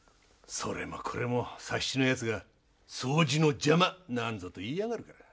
それもこれも佐七の奴が「掃除の邪魔」なんぞと言いやがるから。